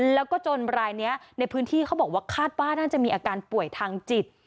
แล้วก็จนรายนี้ในพื้นที่เขาบอกว่าคาดว่าน่าจะมีอาการป่วยทางจิต